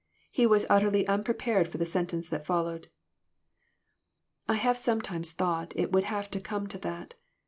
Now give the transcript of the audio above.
He was utterly unprepared for the sentence that followed. " I have sometimes thought it would have come to that.